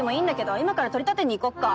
今から取り立てに行こっか？